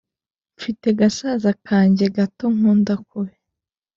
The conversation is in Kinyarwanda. Mfite gasaza kanjye gato nkunda kubi